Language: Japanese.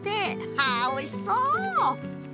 あおいしそう！